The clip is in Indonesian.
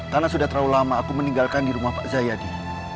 karena sudah terlalu lama aku meninggalkan di rumah pak zayadi